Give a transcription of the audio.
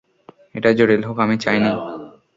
এটা জটিল হোক আমি চাইনি।